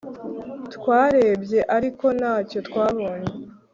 Twarebye ariko ntacyo twabonye